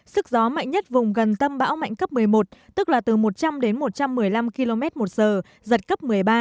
sức gió mạnh nhất vùng gần tâm bão mạnh cấp một mươi một tức là từ một trăm linh đến một trăm một mươi năm km một giờ giật cấp một mươi ba